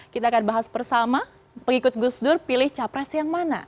kita akan bahas bersama pengikut gus dur pilih capres yang mana